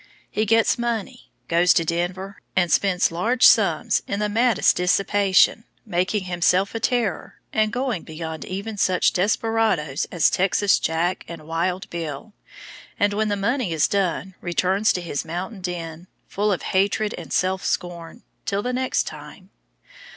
He gets money, goes to Denver, and spends large sums in the maddest dissipation, making himself a terror, and going beyond even such desperadoes as "Texas Jack" and "Wild Bill"; and when the money is done returns to his mountain den, full of hatred and self scorn, till the next time.